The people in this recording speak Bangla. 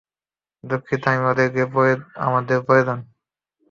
দুঃখিত, কিন্তু ওদেরকে আমাদের প্রয়োজন!